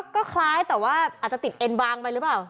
ก็คล้ายแต่ว่าอาจจะติดเอ็นบางไปหรือเปล่า